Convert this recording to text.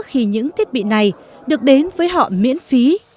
khi những thiết bị này được đến với họ miễn phí